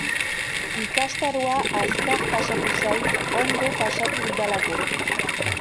Ikastaroa azkar pasatu zait, ondo pasatu dudalako.